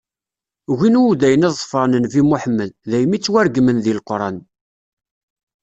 Ugin Wudayen ad ḍefren nnbi Muḥemmed, daymi ttwaregmen deg Leqran.